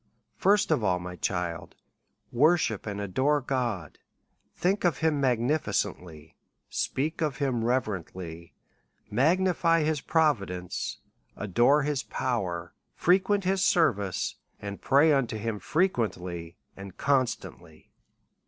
First of all, my child, worship and adore God, think of him magnificently, speak of him reverently, magni fy his providence, adore his power, frequent his ser vice, and pray unto him frequently and constantly.